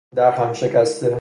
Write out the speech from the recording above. درهم شکسته